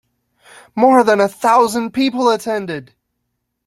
More than a thousand people attended.